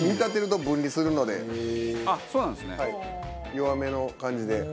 弱めの感じで。